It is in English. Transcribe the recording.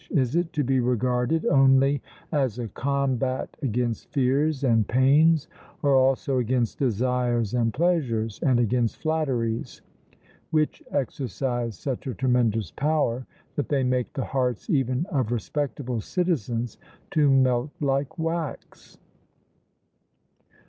Is it to be regarded only as a combat against fears and pains, or also against desires and pleasures, and against flatteries; which exercise such a tremendous power, that they make the hearts even of respectable citizens to melt like wax?